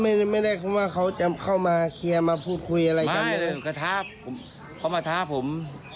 ไม่ได้ไม่ได้คิดว่าเขาจะเข้ามาเคลียร์มาพูดคุยอะไรไม่เลยเขามาทาผม